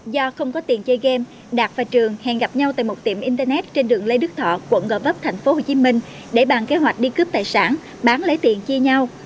do không có tiền chơi game đạt và trường hẹn gặp nhau tại một tiệm internet trên đường lê đức thọ quận gò vấp tp hcm để bàn kế hoạch đi cướp tài sản bán lấy tiền chia nhau